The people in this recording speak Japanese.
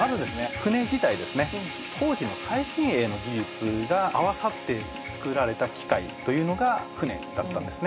船自体ですね当時の最新鋭の技術が合わさって造られた機械というのが船だったんですね